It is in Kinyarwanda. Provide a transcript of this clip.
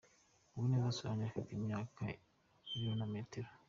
Uwineza Solange afite imyaka , ibiro na metero .